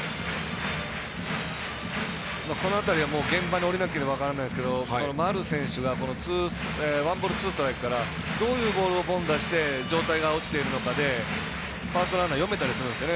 この辺りは現場に降りなければ分からないですけど丸選手がワンボール、ツーストライクからどういうボールを凡打して状態が落ちているのかでファーストランナー読めたりするんですよね。